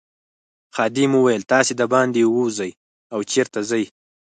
خادم وویل تاسي دباندې وزئ او چیرته ځئ.